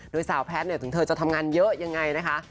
โดยสาวแพทย์ถึงเธอจะทำงานเยอะยังไงนะคะ